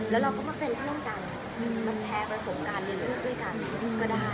แล้วเราก็มาเป็นร่วมกันมาแชร์ประสบการณ์ด้วยกันก็ได้